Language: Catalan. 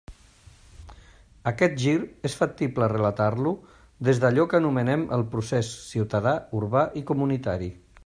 Aquest gir és factible relatar-lo des d'allò que anomenem el procés ciutadà, urbà i comunitari.